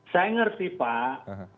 saya mengerti pak